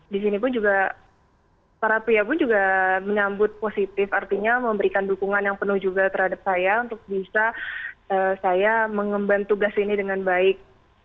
di sini pun juga para pria pun juga menyambut positif artinya memberikan dukungan yang penuh juga terhadap saya untuk bisa saya mengemban tugas ini dengan baik